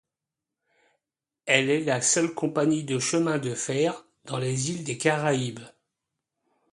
Elle est la seule compagnie de chemin de fer dans les îles des Caraïbes.